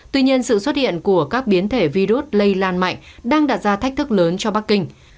tuy nhiên sự xuất hiện của các biến thể virus lây lan mạnh đang đặt ra thách thức lớn cho bắc kinh